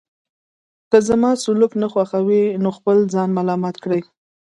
که زما سلوک نه خوښوئ نو خپل ځان ملامت کړئ.